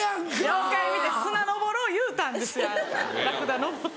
妖怪見て砂上ろう言うたんですよラクダ。